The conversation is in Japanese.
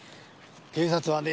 警察はね